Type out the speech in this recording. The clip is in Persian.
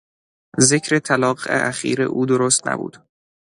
ذکر طلاق اخیر او درست نبود.